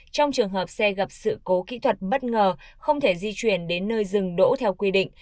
trong trường hợp xe gặp sự cố kỹ thuật bất ngờ không thể di chuyển đến nơi dừng đỗ theo quy định